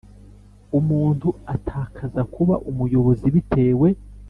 Umuntu atakaza kuba umuyobozi bitewe